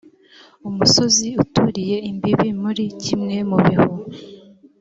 umusozi uturiye imbibi muri kimwe mu bihu